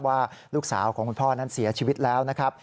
ว่าลูกสาวของคุณพ่อนั้นเสียชีวิตแล้วนะครับ